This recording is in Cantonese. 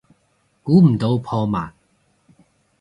估唔到破万